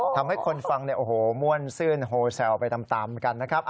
ทำให้คนฟังเนี่ยโอ้โหม่วนซื่นโฮแซลไปตามเหมือนกันนะครับ